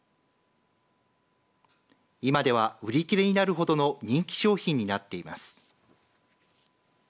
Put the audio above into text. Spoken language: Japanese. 今では、売り切れになるほどの人気商品になっています。